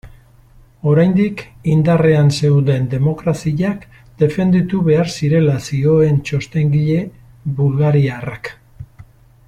Oraindik indarrean zeuden demokraziak defenditu behar zirela zioen txostengile bulgariarrak.